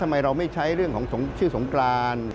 ทำไมเราไม่ใช้เรื่องของชื่อสงกราน